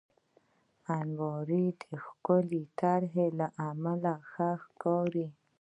الماري د ښکلې طراحۍ له امله ښه ښکاري